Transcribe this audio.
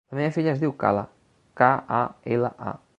La meva filla es diu Kala: ca, a, ela, a.